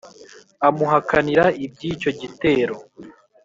amuhakanira iby'icyo gitero,